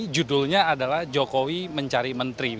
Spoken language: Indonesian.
judulnya adalah jokowi mencari menteri